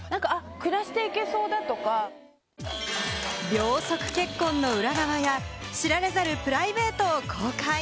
秒速結婚の裏側や、知られざるプライベートを公開。